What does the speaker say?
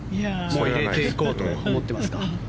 もう入れていこうと思ってますか。